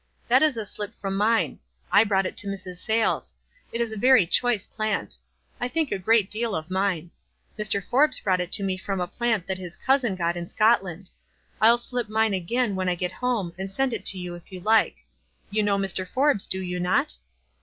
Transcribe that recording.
That is a slip from mine. I brought it to Mrs. Sayles. It is a very choice plant. I think a great deal of mine. Mr. Forbes brought it to me from a plant that his cousin got in Scotland. I'll slip mine again when I get home, and send it to you if you like. You know Mr. Forbes, do you not?"